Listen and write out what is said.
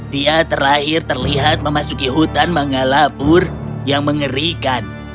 dia terakhir terlihat memasuki hutan mangalabur yang mengerikan